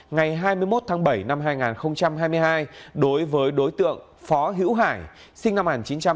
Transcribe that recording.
ngày hai mươi một tháng bảy năm hai nghìn hai mươi hai đối với đối tượng phó hữu hải sinh năm một nghìn chín trăm tám mươi hai